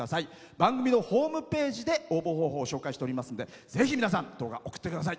番組のホームページで応募方法を紹介しておりますのでぜひ皆さん動画送ってください。